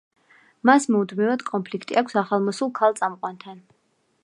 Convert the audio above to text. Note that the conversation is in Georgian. მას მუდმივად კონფლიქტი აქვს ახალმოსულ ქალ წამყვანთან.